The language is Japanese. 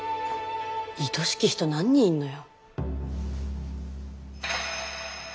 愛しき人何人いんのよ。